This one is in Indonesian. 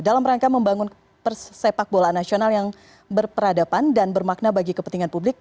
dalam rangka membangun persepak bola nasional yang berperadapan dan bermakna bagi kepentingan publik